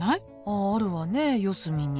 ああるわね四隅に。